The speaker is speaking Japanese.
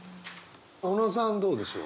小野さんどうでしょう。